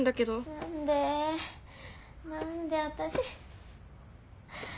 ・何で何で私。